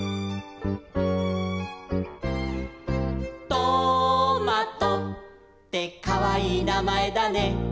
「トマトってかわいいなまえだね」